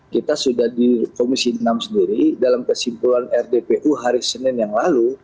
kita sudah di komisi enam sendiri dalam kesimpulan rdpu hari senin yang lalu